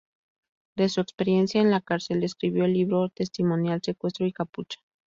De su experiencia en la cárcel, escribió el libro testimonial "Secuestro y capucha".